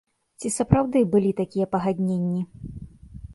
Ці сапраўды былі такія пагадненні?